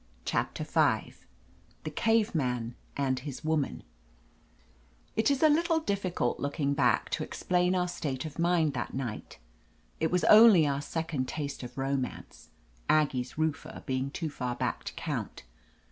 CHAPTER V THE CAVE MAN AND HIS WOMAN IT IS a little difficult, looking back, to ex plain our state of mind that night. It was only our second taste of romance — Aggie's roofer being too far back to count.